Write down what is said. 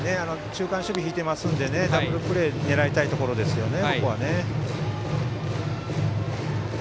中間守備を敷いてますのでダブルプレーを狙いたいところですよね。